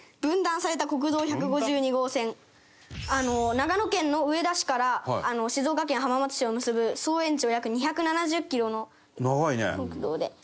長野県の上田市から静岡県浜松市を結ぶ総延長約２７０キロの国道で。